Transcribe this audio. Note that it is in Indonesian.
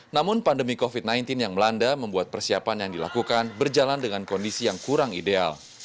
namun pandemi covid sembilan belas yang melanda membuat persiapan yang dilakukan berjalan dengan kondisi yang kurang ideal